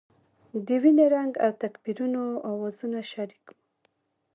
د وینې رنګ او تکبیرونو اوازونه شریک وو.